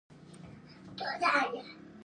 د مکتب د زنګ، په شرنګهار راویښ شي